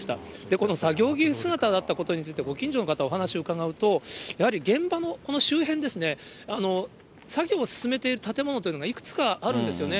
この作業着姿だったことについて、ご近所の方、お話を伺うと、やはり現場の、この周辺ですね、作業を進めている建物というのが、いくつかあるんですよね。